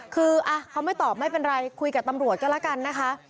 คือเขาไม่ตอบไม่เป็นไรคุยกับตำรวจก็แล้วกันนะคะ